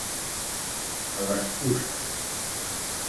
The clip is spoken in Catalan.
A les puces.